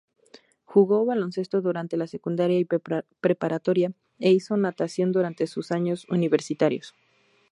Jugó baloncesto durante la secundaria y preparatoria, e hizo natación durante sus años universitarios.